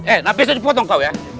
eh nah besok dipotong kau ya